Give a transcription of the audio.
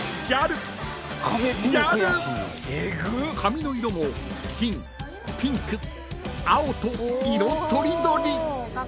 ［髪の色も金ピンク青と色とりどり］